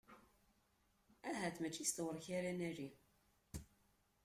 Ahat mačči s tewrek ara nali.